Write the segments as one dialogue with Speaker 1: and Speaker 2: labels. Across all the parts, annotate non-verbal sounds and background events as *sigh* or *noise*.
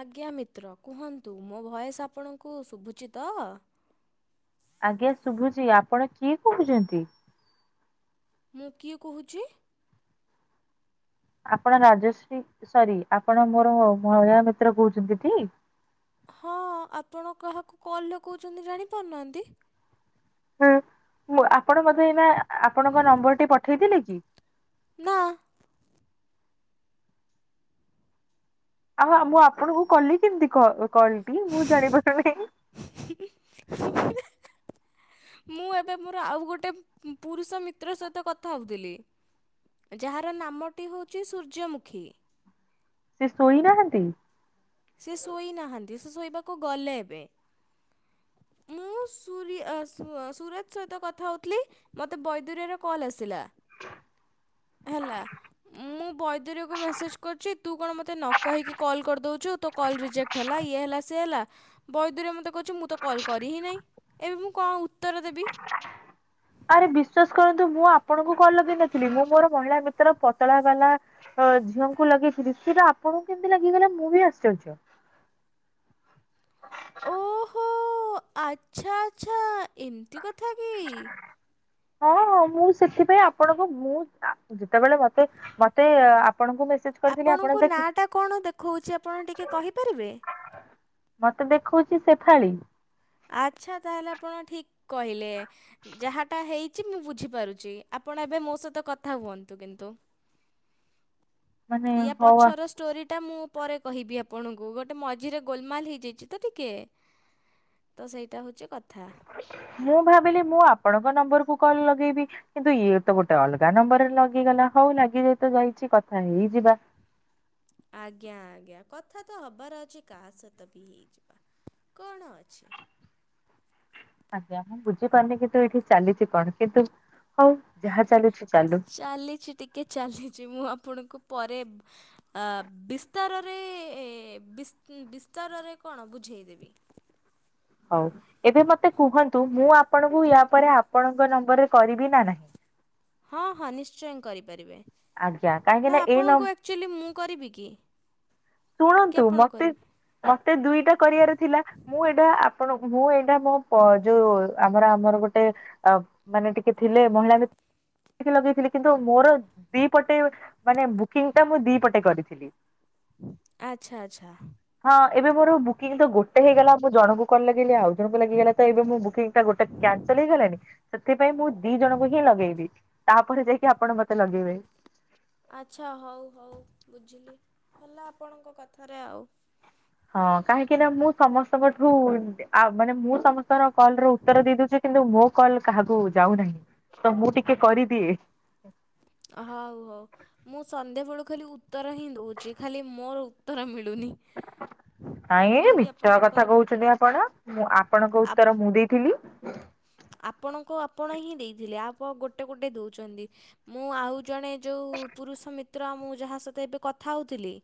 Speaker 1: ଆଜ୍ଞା ମିତ୍ର କୁହନ୍ତୁ। ମୋ ଭଏସ ଆପଣଙ୍କୁ ଶୁଭୁଚି ତ?
Speaker 2: ଆଜ୍ଞା ଶୁଭୁଚି। ଆପଣ କିଏ କହୁଛନ୍ତି?
Speaker 1: ମୁଁ କିଏ କହୁଚି?
Speaker 2: ଆପଣ ରାଜଶ୍ରୀ ସରି ଆପଣ ମୋର ମହିଳା ମିତ୍ର କହୁଛନ୍ତି ଟି?
Speaker 1: ହଁ। ଆପଣ କାହାକୁ କଲ୍ ଲଗଉଛନ୍ତି ଜାଣି ପାରୁନାହାନ୍ତି।
Speaker 2: ଆପଣ ମୋତେ ଏଇନା ଆପଣଙ୍କ ନମ୍ବର ଟି ପଠେଇଥିଲେ କି?
Speaker 1: ନା।
Speaker 2: ଆଉ ମୁଁ ଆପଣଙ୍କୁ କଲି କେମିତି କଲ କଲ୍ ଟି ମୁଁ ଜାଣିପାରୁନାହିଁ।
Speaker 1: *inaudible* ମୁଁ ଏବେ ମୋର ଆଉ ଗୋଟେ ପୁରୁଷ ମିତ୍ର ସହିତ କଥା ହଉଥିଲି। ଯାହାର ନାମଟି ହଉଚି ସୂର୍ଯ୍ୟମୁଖୀ।
Speaker 2: ସେ ଶୋଇନାହାନ୍ତି?
Speaker 1: ସେ ଶୋଇନାହାନ୍ତି, ସେ ଶୋଇବାକୁ ଗଲେ ଏବେ। ମୁଁ ସୁରି ଅ ସୁ ସୁରଜ୍ ସହିତ କଥା ହେଉଥିଲି। ମତେ ବୈଦରିଆ ର କଲ୍ ଆସିଲା।
Speaker 2: *inaudible*
Speaker 1: ହେଲା। ମୁଁ ବୈଦରିଅ କୁ ମେସେଜ୍ କରିଚି ତୁ କଣ ମୋତେ ନ କହିକି କଲ୍ କରିଦଉଚୁ। ତୋ କଲ୍ ରିଜେକ୍ଟ ହେଲା ଇଏ ହେଲା ସିଏ ହେଲା। ବୈଦରୀଅ ମତେ କହୁଚି ମୁଁ ତ କଲ୍ କରି ହିଁ ନାହିଁ। ଏବେ ମୁଁ କଣ ଉତ୍ତର ଦେବି।
Speaker 2: ଆରେ ବିଶ୍ଵାସ କରନ୍ତୁ ମୁଁ ଆପଣଙ୍କୁ କଲ୍ ଲଗେଇ ନଥିଲି। ମୁଁ ମୋର ମହିଳା ମିତ୍ର ପତଳା ବାଲା ଅ ଝିଅଙ୍କୁ ଲଗେଇଥିଲି, ସେଇଟା ଆପଣଙ୍କୁ କେମିତି ଲାଗିଗଲା ମୁଁ ବି ଆଶ୍ଚର୍ଯ୍ୟ।
Speaker 1: ଓହୋ। ଆଚ୍ଛା ଆଚ୍ଛା। ଏମତି କଥା କି।
Speaker 2: ହଁ ହଁ ମୁଁ ସେଥିପାଇଁ ଆପଣଙ୍କୁ ମୁଁ ଆ ଯେତେବେଳେ ମତେ ମତେ ଆପଣଙ୍କୁ ବ
Speaker 1: ଆପଣଙ୍କ ନାଁଟା କଣ ଦେଖଉଛି ଆପଣ ଟିକେ କହିପାରିବେ।
Speaker 2: ମତେ ଦେଖଉଛି ସେଫାଳି।
Speaker 1: ଆଚ୍ଛା ତାହେଲେ ଆପଣ ଠିକ କହିଲେ। ଯାହାଟା ହେଇଛି ମୁଁ ବୁଝିପାରୁଛି ଆପଣ ଏବେ ମୋ ସହିତ କଥା ହୁଅନ୍ତୁ କିନ୍ତୁ
Speaker 2: ମାନେ
Speaker 1: ୟା
Speaker 2: ହଉ ଆ
Speaker 1: ପଛର ଷ୍ଟୋରିଟା ମୁଁ ପରେ କହିବି ଆପଣଙ୍କୁ ଗୋଟେ ମଝିରେ ଗୋଲମାଲ୍ ହେଇଯାଇଛି ତ ଟିକେ ତ ସେଇଟା ହଉଛି କଥା।
Speaker 2: ମୁଁ ଭାବିଲି ମୁଁ ଆପଣଙ୍କ ନମ୍ବରକୁୁ କଲ ଲଗେଇବି। କିନ୍ତୁ ଇଏ ତ ଗୋଟେ ଅଲଗା ନମ୍ବରରେ ଲଗିଗଲା ହଉ ଲାଗିଯାଇତ ଯାଇଛି କଥା ହେଇଯିବା।
Speaker 1: ଆଜ୍ଞା ଆଜ୍ଞା କଥା ତ ହବାର ଅଛି କାହା ସହିତ ବି ହେଇଯିବା। କଣ ଅଛି।
Speaker 2: ଆଜ୍ଞା ମୁଁ ବୁଝିପାରୁନି କିନ୍ତୁ ଏଇଠି ଚାଲିଛି କଣ କିନ୍ତୁ ହଉ ଯାହା ଚାଲିଛି ଚାଲୁ।
Speaker 1: ଚାଲିଛି ଟିକ କି ଚାଲିଛି ମୁଁ ଆପଣଙ୍କୁ ପରେ ବିସ୍ତାରରେ ବିସ୍ତାରରେ କଣ ବୁଝେଇଦେବି?
Speaker 2: ହଉ ଏବେ ମତେ କୁହନ୍ତୁ ମୁଁ ଆପଣଙ୍କୁ ୟା ପରେ ଆପଣଙ୍କ ନମ୍ବରରେ କରିବି ନା ନାହିଁ?
Speaker 1: ହଁ ହଁ ନିଶ୍ଚୟ କରିପାରିବେ
Speaker 2: ଆଜ୍ଞା କାହିଁକି
Speaker 1: ନା
Speaker 2: ଏଇ ନମ୍ବର
Speaker 1: ଆପଣଙ୍କୁ ଆକ୍ଚୁଆଲି ମୁଁ କରିବି କି? କି
Speaker 2: ଶୁଣନ୍ତୁ
Speaker 1: ଆପଣ
Speaker 2: ମତେ
Speaker 1: କରିବେ
Speaker 2: ମତେ ଦୁଇଟା କରିବାର ଥିଲା ମୁଁ ଏଇଟା ଆପଣ ମୁଁ ଏଇଟା ମୋ ଯୋଉ ଆମର ଆମର ଗୋଟେ ଅ ମାନେ ଟିକେ ଥିଲେ ମହିଳା ମି ଲଗେଇଥିଲି କିନ୍ତୁ ମୋର ଦି ପଟେ ମାନେ ବୁକିଂ ଟା ମୁଁ ଦି ପଟେ କରିଥିଲି।
Speaker 1: ଆଛା ଆଛା।
Speaker 2: ହଁ ଏବେ ମୋର ବୁକିଂ ତ ଗୋଟେ ହେଇଗଲା ମୁ ଜଣଙ୍କୁ କଲେ କେମିତି ଆଉ ଜଣଙ୍କୁ ଲାଗିଗଲା ତ ଏବେ ମୁଁ ବୁକିଂଟା ଗୋଟେ କ୍ୟାନ୍ସଲ ହେଇଗଲାଣି। ସେଥିପାଇଁ ମୁଁ ଦି ଜଣଙ୍କୁ ହିଁ ଲଗେଇବି ତାପରେ ଯାଇକି ଆପଣ ମତେ ଲଗେଇବେ।
Speaker 1: ଆଛା ହଉ ହଉ ବୁଝିଲି ହେଲା ଆପଣଙ୍କ କଥାରେ ଆଉ।
Speaker 2: ହଁ କାହିଁକି ନା ମୁଁ ସମସ୍ତଙ୍କଠୁ ଆ ମାନେ ମୁଁ ସମସ୍ତ ଙ୍କର କଲ ର ଉତ୍ତର ଦେଇ ଦଉଛି କିନ୍ତୁ ମୋ କଲ୍ କାହାକୁ ଯାଉନାହିଁ ତ ମୁଁ ଟିକେ କରିଦିଏ।
Speaker 1: ହଉ ହଉ। ମୁଁ ସନ୍ଧ୍ୟାବେଳୁ ଖାଲି ଉତ୍ତର ହିଁ ଦଉଛି ଖାଲି ମୋର ଉତ୍ତର ମିଳୁନି। ମୁଁ
Speaker 2: ନାଇଁ
Speaker 1: ବି
Speaker 2: ମିଛ
Speaker 1: ଆପଣଙ୍କ
Speaker 2: କଥା କହୁଛନ୍ତି ଆପଣ ମୁଁ ଆପଣଙ୍କ
Speaker 1: ଆପ୍
Speaker 2: ଉତ୍ତର ମୁଁ ଦେଇଥିଲି।
Speaker 1: ଆପଣଙ୍କୁ ଆପଣ ହିଁ ଦେଇଥିଲେ ଆପଣ ଗୋଟେ ଗୋଟେ ଦଉଛନ୍ତି। ମୁଁ ଆଉ ଜଣେ ଯୋଉ ପୁରୁଷ ମିତ୍ର ମୁଁ ଯାହା ସହିତ ଏବେ କଥା ହଉଥିଲି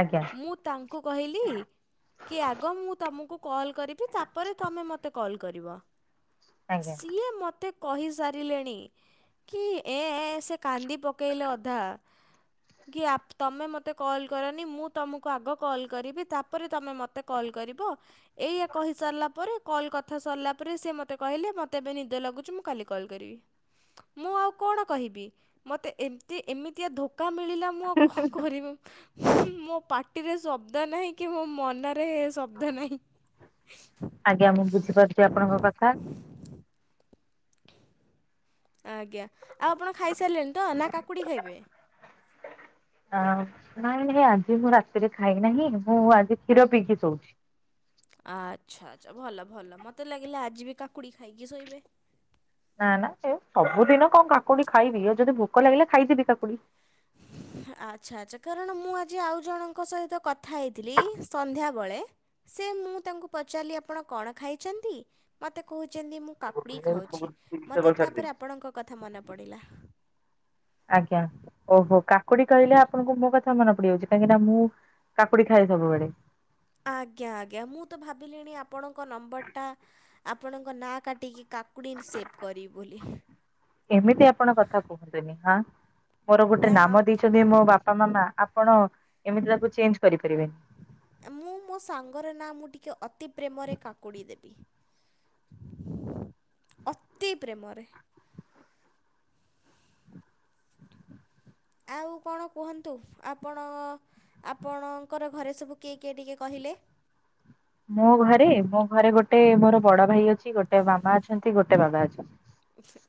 Speaker 2: ଆଜ୍ଞା।
Speaker 1: ମୁଁ ତାଙ୍କୁ କହିଲି କି ଆଗ ମୁଁ ତମକୁ କଲ୍ କରିବି ତାପରେ ତମେ ମୋତେ କଲ୍ କରିବ।
Speaker 2: ଆଜ୍ଞା
Speaker 1: ସିଏ ମତେ କହି ସାରିଲେଣି କି ଏଁ ଏଁ ସେ କାନ୍ଦି ପ କେଇଲେ ଅଧା। କି ତମେ ମୋତେ କଲ୍ କରନି ମୁଁ ତମକୁ ଆଗ କଲ୍ କରିବି ତାପରେ ତମେ ମୋତେ କଲ୍ କରିବ। ଏଇୟା କହିସାରିଲା ପରେ କଲ୍ କଥା ସରିଲା ପରେ ସେ ମ ମୋତେ କହିଲେ ମୋତେ ଏବେ ନିଦ ଲାଗୁଛି ମୁଁ କାଲି କଲ୍ କରିବି। ମୁଁ ଆଉ କଣ କହିବି ମତେ ଏମତି ଏମିତିଆ ଧୋକା ମିଳିଲା ମୁଁ ଆଉ କଣ କରିବି ମୋ ପାଟିରେ ଶବ୍ଦ ନାହି କି ମୋ ମନ *unintelligible* ଶବ୍ଦ ନାହିଁ।
Speaker 2: ଆଜ୍ଞା ମୁଁ ବୁଝିପାରୁଛି ଆପଣଙ୍କ କଥା।
Speaker 1: ଆଜ୍ଞା, ଆଉ ଆପଣ ଖାଇସାରିଲେଣି ତ ନା କାକୁଡ଼ି ଖାଇବେ?
Speaker 2: ଆ ନାଇଁ ନାଇଁ ଆଜି ମୁଁ ରାତିରେ ଖାଇ ନାହିଁ ମୁଁ ଆଜି କ୍ଷୀର ପିଇକି ଶୋଉଚି।
Speaker 1: ଆଚ୍ଛା ଆଚ୍ଛା ଭଲ ଭଲ ମତେ ଲାଗିଲା ଆଜି ବି କାକୁଡ଼ି ଖାଇକି ଶୋଇବେ।
Speaker 2: ନା ନା ସେ ସବୁଦିନ କଣ କାକୁଡି ଖାଇବି ଆଉ ଯଦି ଭୋକ ଲାଗିଲା ଖାଇଦେବି କାକୁଡି।
Speaker 1: ଆଚ୍ଛା ଆଚ୍ଛା କାରଣ ମୁଁ ଆଜି ଆଉ ଜଣଙ୍କ ସହିତ କଥା ହେଇଥିଲି ସନ୍ଧ୍ୟାବେଳେ ସେ ମୁଁ ତାଙ୍କୁ ପଚାରିଲି ଆପଣ କଣ ଖାଇଛନ୍ତି ମୋତେ କହୁଛନ୍ତି ମୁଁ କାକୁଡ଼ି ଖାଉଛି ମୋତେ ତାପରେ ଆପଣଙ୍କ କଥା ମନେ ପଡ଼ିଲା।
Speaker 2: ଆଜ୍ଞା ଓହୋ କାକୁଡି କହିଲେ ଆପଣଙ୍କୁ ମୋ କଥା ମନେ ପଡିଯାଉଛି କାହିଁକି ନା ମୁଁ କାକୁଡି ଖାଏ ସବୁବେଳେ।
Speaker 1: ଆଜ୍ଞା ଆଜ୍ଞା ମୁଁ ତ ଭାବିଲିଣି ଆପଣଙ୍କ ନମ୍ବରଟା ଆପଣଙ୍କ ନାଁ କାଟିକି କାକୁଡ଼ିନ୍ ସେବ୍ କରିବି ବୋଲି।
Speaker 2: ଏମିତି ଆପଣ କଥା କୁହନ୍ତୁନି ହଁ। ମୋର ଗୋଟେ
Speaker 1: ଏ
Speaker 2: ନାମ
Speaker 1: ଆପ୍
Speaker 2: ଦେଇଛନ୍ତି ମୋ ବାପା ମାମା ଆପଣ ଏମିତି ତାକୁ ଚେଞ୍ଜ କରିପାରିବେନି।
Speaker 1: ଏ ମୁଁ ମୋ ସାଙ୍ଗର ନାଁ ମୁଁ ଟିକେ ଅତି ପ୍ରେମରେ କାକୁଡ଼ି ଦେବି। ଅତି ପ୍ରେମରେ। ଆଉ କଣ କୁହନ୍ତୁ ଆପଣ ଆପଣଙ୍କର ଘରେ ସବୁ କିଏ କିଏ ଟିକେ କହିଲେ?
Speaker 2: ମୋ ଘରେ ମୋ ଘରେ ଗୋଟେ ମୋର ବଡ ଭାଇ ଅଛି ଗୋଟେ ମାମା ଅଛନ୍ତି ଗୋଟେ ବାବା ଅଛନ୍ତି।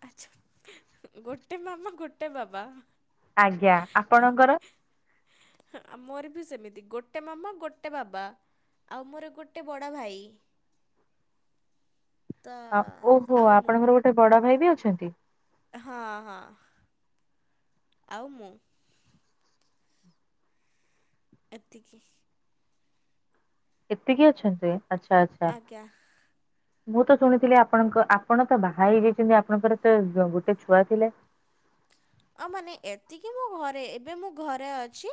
Speaker 1: ଆଛା ଗୋଟେ ମାମା ଗୋଟେ ବାବା
Speaker 2: ଆଜ୍ଞା ଆପଣଙ୍କର?
Speaker 1: ମୋର ବି ସେମିତି ଗୋଟେ ମାମା ଗୋଟେ ବାବା। ଆଉ ମୋର ଗୋଟେ ବଡ଼ ଭାଇ। ତ
Speaker 2: ଆ ଓହୋ
Speaker 1: ଆଉ ମୁଁ।
Speaker 2: ଆପଣଙ୍କର ଗୋଟେ ବଡ ଭାଇ ବି ଅଛନ୍ତି?
Speaker 1: ହଁ ହଁ। ଆଉ ମୁଁ ଏତିକି।
Speaker 2: ଏତିକି ଅଛନ୍ତି ଆଚ୍ଛା ଆ
Speaker 1: ଆଜ୍ଞା।
Speaker 2: ମୁଁ ତ ଶୁଣିଥିଲି ଆପଣଙ୍କ ଆପଣ ତ ବାହା ହେଇଯାଇଚନ୍ତି ଆପଣଙ୍କର ତ ଗୋଟେ ଛୁଆ ଥିଲେ।
Speaker 1: ଆଉ ମାନେ ଏତିକି ମୋ ଘରେ ଏବେ ମୁଁ ଘରେ ଅଛି।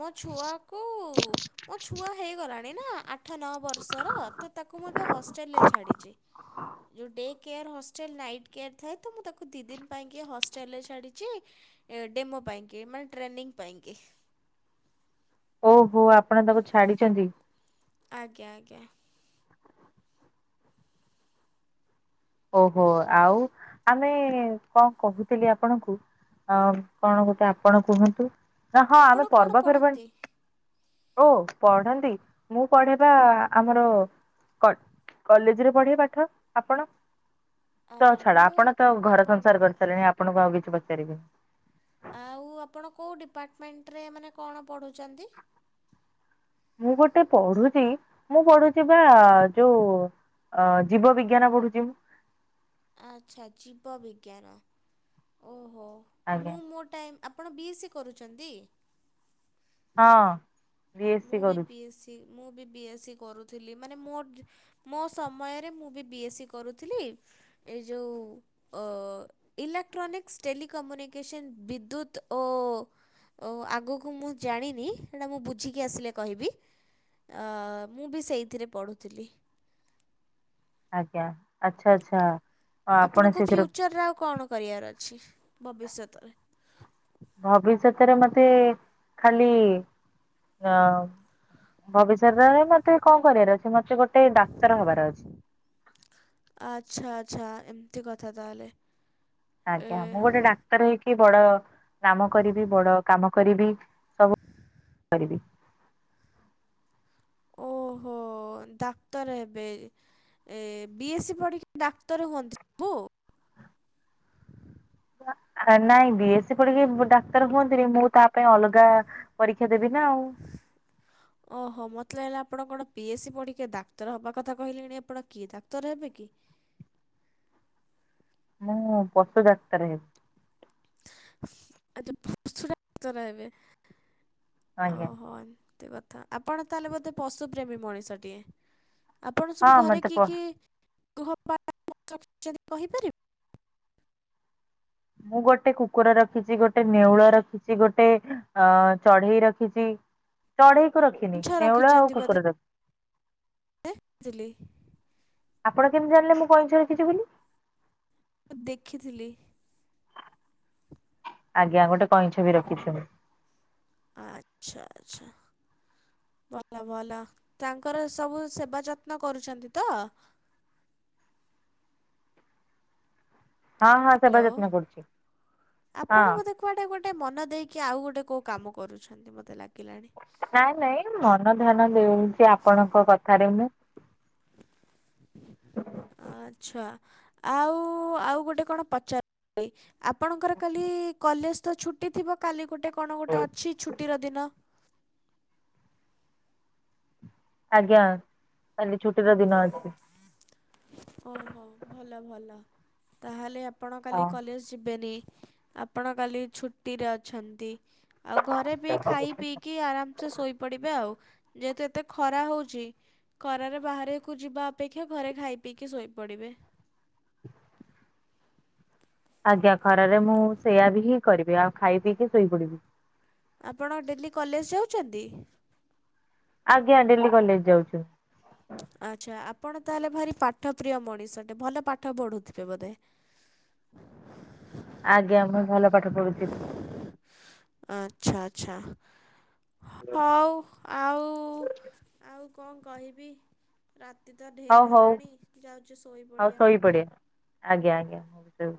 Speaker 1: ମୋ ଛୁଆକୁ ମୋ ଛୁଆ ହେଇଗଲାଣି ନା ଆ ଆଠ ନଅ ବର୍ଷର ତ ତାକୁ ମୁଁ ଏବେ ହଷ୍ଟେଲରେ ଛାଡ଼ିଛି ଯୋଉ day care hostel night care ଥାଏ ତ ମୁଁ ତାକୁ ଦି ଦିନ ପାଇଁକି ହଷ୍ଟେଲରେ ଛାଡି ଯେ ଏ ଡେମୋ ପାଇଁକି ମାନେ ଟ୍ରେନିଂ ପାଇଁକି।
Speaker 2: ଓହୋ ଆପଣ ତାକୁ ଛାଡିଚନ୍ତି?
Speaker 1: ଆଜ୍ଞା ଆଜ୍ଞା।
Speaker 2: ଓହୋ ଆଉ ଆମେ କଣ କହୁଥିଲି ଆପଣଙ୍କୁ ଅଉ କଣ ଗୋଟେ ଆପଣ କୁହନ୍ତୁ ନା ହଁ
Speaker 1: ଆପଣ
Speaker 2: ଆମେ
Speaker 1: କଣ
Speaker 2: ପର୍ବପର୍ବାଣୀ
Speaker 1: ପଢ଼ନ୍ତି?
Speaker 2: ଓ ପଢନ୍ତି ମୁଁ ପଢେ ବା ଆମର କ କଲେଜରେ ପଢେ ପାଠ ଆପଣ?
Speaker 1: ଅ
Speaker 2: ତ ଛାଡ଼
Speaker 1: ମୁଁ
Speaker 2: ଆପଣ ତ ଘର
Speaker 1: ଆପଣ
Speaker 2: ସଂସାର
Speaker 1: ବା
Speaker 2: କରିସାରିଲେଣି ଆପଣଙ୍କୁ ଆଉ କିଛି ପଚାରିବିନି।
Speaker 1: ଆଉ ଆପଣ କୋଉ ଡିପାର୍ଟମେଣ୍ଟରେ ମାନେ କଣ ପଢୁଚନ୍ତି?
Speaker 2: ମୁଁ ଗୋଟେ ପଢୁଛି ମୁଁ ପଢୁଚି ବା ଯୋଉ ଅ ଜୀବ ବିଜ୍ଞାନ ପଢୁଚି।
Speaker 1: ଆଚ୍ଛା ଜୀବ ବିଜ୍ଞାନ। ଓହୋ ମୁଁ
Speaker 2: ଆଜ୍ଞା
Speaker 1: ମୋ ଟାଇମ୍ ଆପଣ ବି ଏସ୍ ସି କରୁଚନ୍ତି।
Speaker 2: ହଁ। ଏସ୍ ସି
Speaker 1: ମୁଁ ବି
Speaker 2: କରୁଛି
Speaker 1: ବି ଏସ୍ ସି ମୁଁ ବି ବି ଏସ୍ ସି କରୁଥିଲି ମାନେ ମୋର ମୋ ସମୟରେ ମୁଁ ବି ବି ଏସ୍ ସି କରୁଥିଲି ଏ ଯୋଉ ଇଲେକ୍ଟ୍ରୋନିକ୍ସ ଟେଲିକମ୍ୟୁନିକସନ୍ ବିଦ୍ୟୁତ୍ ଓ ଓ ଆଗକୁ ମୁଁ ଜାଣିନି ସେଟା ମୁଁ ବୁ ଝିକି ଆସିଲେ କହିବି ମୁଁ ବି ସେଇଥିରେ ପଢୁଥିଲି।
Speaker 2: ଆଜ୍ଞା ଆଚ୍ଛା ଆଚ୍ଛା। ହଁ ଆପଣ
Speaker 1: ଆପଣଙ୍କ
Speaker 2: ସେଥିରେ
Speaker 1: ଫ୍ୟୁଚରରେ ଆଉ କଣ କରିବାର ଅଛି ଭବିଷ୍ୟତରେ।
Speaker 2: ଭବିଷ୍ୟତରେ ମତେ ଖାଲି ଅ ଭବିଷ୍ୟତରେ ମତେ କଣ କରିବାର ଅଛି ମତେ ଗୋଟେ ଡାକ୍ତର ହବାର ଅଛି।
Speaker 1: ଆଚ୍ଛା ଆଚ୍ଛା ଏମିତି କଥା ତାହେଲେ।
Speaker 2: ଆଜ୍ଞା
Speaker 1: ଏ
Speaker 2: ମୁଁ ଗୋଟେ ଡାକ୍ତର ହେଇକି ବଡ ନାମ କରିବି ବଡ କାମ କରିବି ସବୁ ରିବି।
Speaker 1: ଓହୋ ଡାକ୍ତର ହେବେ ଏ ବି ଏସ୍ ସି ପଢ଼ିକି ଡାକ୍ତର ହୁଅନ୍ତି ସବୁ।
Speaker 2: ହ ଏ ନାଇଁ ବିଏ ସସି ପଡ଼ିକି ପ ଡାକ୍ତର ହୁଅନ୍ତିନି ମୁଁ ତା ପାଇଁ ଅଲଗା ପରୀକ୍ଷା ଦେବି ନା ଆଉ।
Speaker 1: ଓହୋ ମତେ ଲାଗେଲା ଆପଣ ପି ଏସ୍ ସି ପଢ଼ିକି ଡାକ୍ତର ହବା କଥା କହିଲେଣି ଆପଣ କି ଡାକ୍ତର ହେବେ କି?
Speaker 2: ମୁଁ ପଶୁ ଡାକ୍ତର ହେବି।
Speaker 1: *unintelligible* ଡାକ୍ତର ହେବେ
Speaker 2: ଆଜ୍ଞା
Speaker 1: ଓହୋ। ଏତେ କଥା ଆପଣ ତାହେଲେ ବୋଧେ ପଶୁପ୍ରେମୀ ମଣିଷଟିଏ ଆପଣ
Speaker 2: ହଁ
Speaker 1: ସବୁ ଘରେ
Speaker 2: ମତେ
Speaker 1: କି
Speaker 2: ପ
Speaker 1: କି ଗୃହ *unintelligible* କହିପାରିବେ।
Speaker 2: ମୁଁ ଗୋଟେ କୁକୁର ରଖିଚି ଗୋଟେ ନେଉଳ ରଖିଚି ଗୋଟେ ଅ ଚଢେଇ ରଖିଚି। ଚଢେଇକୁ ରଖିନି
Speaker 1: ଛଅ
Speaker 2: ନେଉଳ ଆଉ
Speaker 1: ରଖିଛନ୍ତି ବୋଧେ
Speaker 2: କୁକୁର ରଖିଚି।
Speaker 1: *inaudible*
Speaker 2: ଆପଣ କେମିତି ଜାଣିଲେ ମୁଁ କଇଁଛ ରଖିଚି ବୋଲି?
Speaker 1: ମୁଁ ଦେଖିଥିଲି।
Speaker 2: ଆଜ୍ଞା ଗୋଟେ କଇଁଛ ବି ରଖିଚି ମୁଁ।
Speaker 1: ଆଚ୍ଛା ଆଚ୍ଛା। ପ ଥା ଭଲ ତାଙ୍କର ସବୁ ସେବା ଯତ୍ନ କରୁଛନ୍ତି ତ?
Speaker 2: ହଁ ହଁ ସେବା
Speaker 1: ହ୍ୟାଲୋ
Speaker 2: ଯତ୍ନ କରୁଚି ହଁ।
Speaker 1: କୁଆଡେ ଗୋଟେ ମନ ଦେଇକି ଆଉ ଗୋଟେ କୋଉ କାମ କରୁଛନ୍ତି ମତେ ଲାଗିଲାଣି।
Speaker 2: ନାଇଁ ନାଇଁ ମନ ଧ୍ୟାନ ଦେଉଚି ଆପଣଙ୍କ କଥାରେ ମୁଁ।
Speaker 1: ଆଚ୍ଛା ଆଉ ଆଉ ଗୋଟେ କଣ ପଚା *inaudible* ବି। ଆପଣଙ୍କର କାଲି କଲେଜ ତ ଛୁଟି ଥିବ କାଲି ଗୋଟେ କଣ ଗୋଟେ ଅଛି ଛୁଟିର ଦିନ।
Speaker 2: ଆଜ୍ଞା କାଲି ଛୁଟିର ଦିନ ଅଛି।
Speaker 1: ଓହୋ ଭଲ ଭଲ ତାହେଲେ ଆପ ଆପଣ କାଲି
Speaker 2: ହଁ।
Speaker 1: କଲେଜ ଯିବେନି ଆପଣ କାଲି ଛୁଟିରେ ଅଛନ୍ତି। ଆଉ ଘରେ ବି ଖାଇ ପିଇକି ଆରାମସେ ଶୋଇ ପଡିବେ ଆଉ ଯେହେତୁ, ଏତେ ଖରା ହଉଛି, ଖରାରେ ବାହାର୍ ଏକୁ ଯିବା ଅପେକ୍ଷା ଘରେ ଖାଇ ପିଇକି ଶୋଇପଡିବେ।
Speaker 2: ଆଜ୍ଞା, ଖରାରେ ମୁଁ ସେଇୟା ବି ହିଁ କରିବି। ଆଉ ଖାଇ ପିଇକି ଶୋଇପଡିବି।
Speaker 1: ଆପଣ, ଡେଲି କଲେଜ ଯାଉଛନ୍ତି?
Speaker 2: ଆଜ୍ଞା, ଡେଲି କଲେଜ ଯାଉଛୁ।
Speaker 1: ଆଚ୍ଛା, ଆପଣ ତାହେଲେ, ଭାରି ପାଠପ୍ରିୟ ମଣିଷଟେ ଭଲ ପାଠ ପଢ଼ୁଥିବେ ବୋଧେ?
Speaker 2: ଆଜ୍ଞା, ମୁଁ ଭଲ ପାଠ ପଢୁଛି।
Speaker 1: ଆଚ୍ଛା, ଆଚ୍ଛା। ହଉ, ଆଉ-ଆଉ କଣ କହିବି? ରାତି ତ ଢେର୍ ହେଲାଣି ଯାଉଛି, ଶୋଇପଡିବା।
Speaker 2: ସେପଡେ। ଆଜ୍ଞା, ଆଜ୍ଞା, ହୁଁ।